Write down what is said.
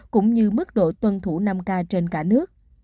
cũng như mức độ tuân thủ năm k trên cả nước